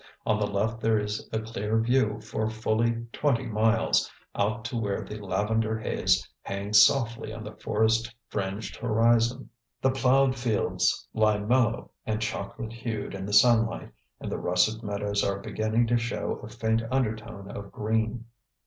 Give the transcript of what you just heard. On the left there is a clear view for fully twenty miles, out to where the lavender haze hangs softly on the forest fringed horizon. The plowed fields lie mellow and chocolate hued in the sunlight and the russet meadows are beginning to show a faint undertone of green.